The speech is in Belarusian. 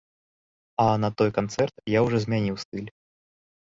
А на той канцэрт я ўжо змяніў стыль.